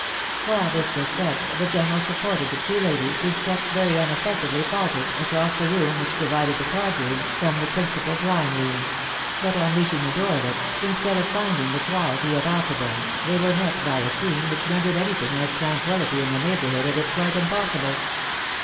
While this was said, the general supported the two ladies, whose steps very unaffectedly faltered, across the room which divided the card room from the principal drawing room ; but on reaching the door of it, instead of finding the quiet he had offered them, they were met by a scene which rendered anything like tranquilhty in the neighbourhood of it quite impossible.